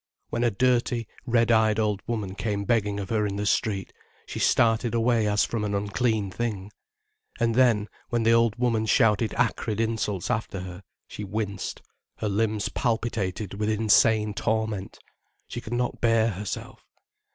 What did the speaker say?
When a dirty, red eyed old woman came begging of her in the street, she started away as from an unclean thing. And then, when the old woman shouted acrid insults after her, she winced, her limbs palpitated with insane torment, she could not bear herself.